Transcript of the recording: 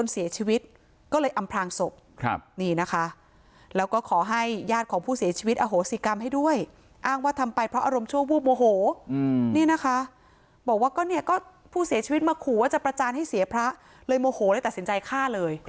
นี่นะคะบอกว่าผู้เสียชีวิตมาขู่ว่าจะประจานให้เสียพระเลยโมโหเลยตัดสินใจฆ่าเลย